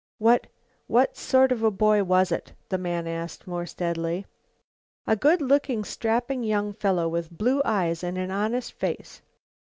"What what sort of a boy was it?" the man asked more steadily. "A good looking, strapping young fellow, with blue eyes and an honest face."